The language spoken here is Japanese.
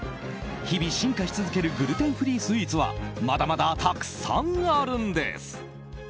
日々、進化し続けるグルテンフリースイーツはまだまだたくさんあるんです。